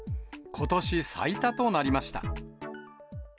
ことし最多となりました。